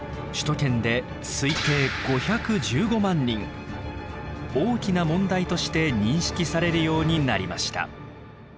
首都圏で推定大きな問題として認識されるようになりました。